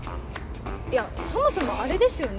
いやそもそもあれですよね。